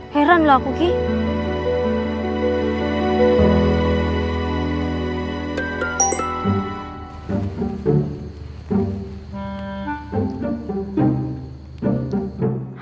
heran lah aku kik